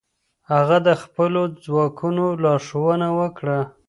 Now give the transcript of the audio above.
هغه د خپلو ځواکونو لارښوونه وکړه.